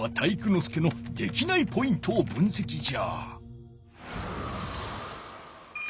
介のできないポイントを分せきじゃ。